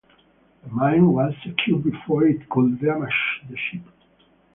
The mine was secured before it could damage the ship.